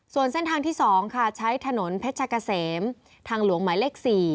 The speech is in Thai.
ส่วนเส้นทางที่๒ค่ะใช้ถนนเพชรกะเสมทางหลวงหมายเลข๔